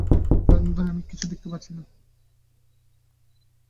সারাদিনে ধরে আমি কিছুই দেখতে পাচ্ছি না।